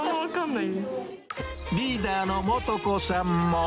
リーダーの素子さんも。